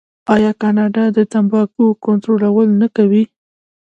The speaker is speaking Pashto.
آیا کاناډا د تمباکو کنټرول نه کوي؟